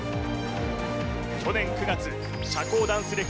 去年９月社交ダンス歴